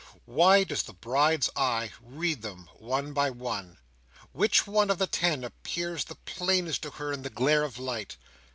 Why does the Bride's eye read them, one by one? Which one of all the ten appears the plainest to her in the glare of light?